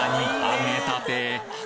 揚げたて？